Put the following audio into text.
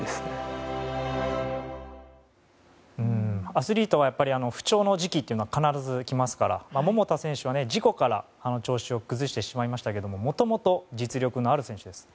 アスリートはやっぱり不調の時期というのは必ずきますから桃田選手は事故から調子を崩してしまいましたけどもともと、実力のある選手です。